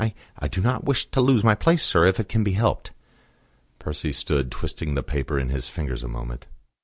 I I do not wish to lose my place, sir, if it can be helped." Percy stood twisting the paper in his fingers a moment.